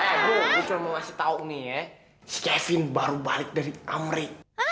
eh gue cuma mau kasih tau nih ya si kevin baru balik dari amrik